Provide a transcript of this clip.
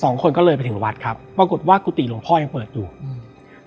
สองคนก็เลยไปถึงวัดครับปรากฏว่ากุฏิหลวงพ่อยังเปิดอยู่อืม